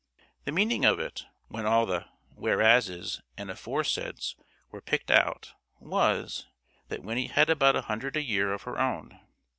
The meaning of it, when all the "whereas's and aforesaids" were picked out, was, that Winnie had about a hundred a year of her own.